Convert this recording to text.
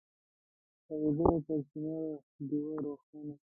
تاوېدله تر چنار ډېوه روښانه